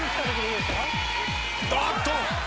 あっと！